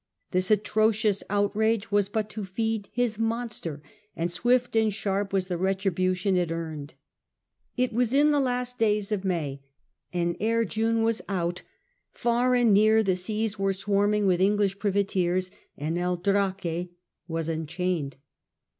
This atrocious outrage was but to feed his monster, and swift and sharp was the retribution it earned. It was in the last days of May, and ere June was out far and near the seas were swarming with English privateers, and El Draque was unchained.